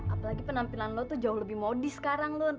apalagi penampilan lo tuh jauh lebih modis sekarang lo